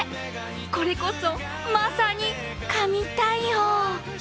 これこそ、まさに神対応。